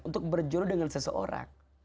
untuk berjuru dengan seseorang